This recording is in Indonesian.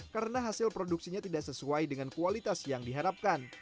karena hasil produksinya tidak sesuai dengan kualitas yang diharapkan